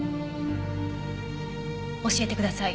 教えてください。